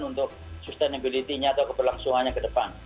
untuk sustainability nya atau keberlangsungannya ke depan